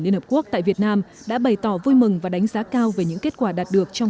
liên hợp quốc tại việt nam đã bày tỏ vui mừng và đánh giá cao về những kết quả đạt được trong